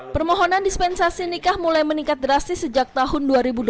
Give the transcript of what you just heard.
permohonan dispensasi nikah mulai meningkat drastis sejak tahun dua ribu dua puluh